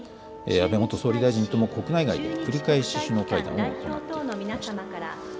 安倍元総理大臣とも国内外で繰り返し首脳会談を行っていました。